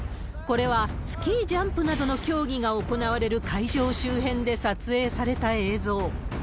これはスキージャンプなどの競技が行われる会場周辺で撮影された映像。